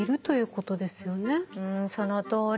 んそのとおり。